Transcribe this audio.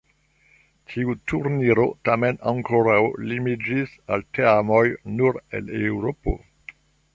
Tiu turniro tamen ankoraŭ limiĝis al teamoj nur el Eŭropo.